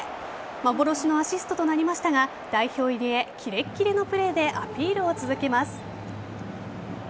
幻のアシストとなりましたが代表入りへキレッキレのプレーでアピールを続けます。